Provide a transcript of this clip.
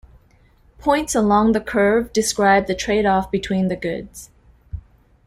Points along the curve describe the tradeoff between the goods.